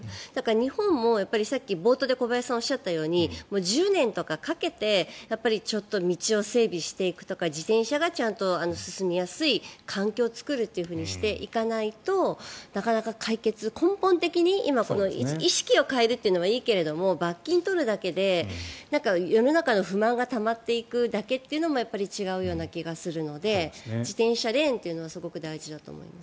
日本も冒頭で小林さんがおっしゃったように１０年とかかけてちょっと道を整備していくとか自転車がちゃんと進みやすい環境を作るっていうふうにしていかないとなかなか解決根本的に意識を変えるというのはいいけれども、罰金を取るだけで世の中の不満がたまっていくだけっていうのも違うような気がするので自転車レーンというのはすごく大事だと思います。